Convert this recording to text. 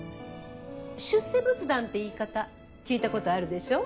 出世仏壇って言い方聞いたことあるでしょ？